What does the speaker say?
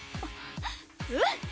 うん！